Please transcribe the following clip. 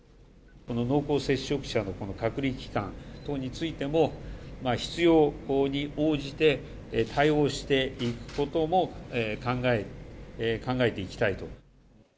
この濃厚接触者の隔離期間等についても、必要に応じて対応していくことも考えていきたいと。